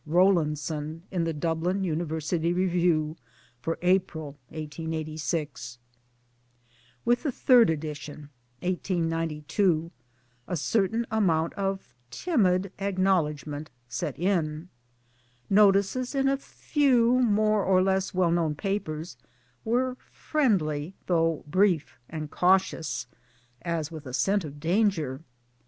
Rowlandson in The Dublin University Review for April, 1886. With the third edition (1892) a certain amount of timid acknowledgment set in. Notices in a few more or less well known papers were friendly though brief and cautious, as with a scent of danger.